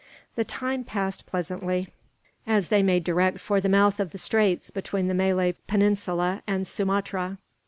The time passed pleasantly, as they made direct for the mouth of the straits between the Malay Peninsula and Sumatra.